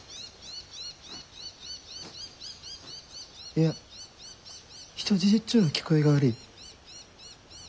いや人質っちゅうんは聞こえが悪い。